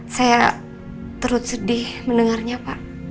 saya terus sedih mendengarnya pak